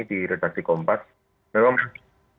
di redakti kompas memang